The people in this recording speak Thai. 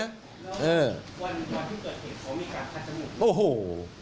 วันที่เกิดเหตุของมีการพัชบุค